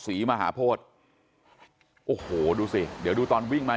ศรีมหาโพธิโอ้โหดูสิเดี๋ยวดูตอนวิ่งไหม